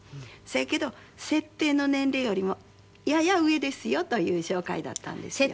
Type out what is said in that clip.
「そやけど設定の年齢よりもやや上ですよ」という紹介だったんですよ。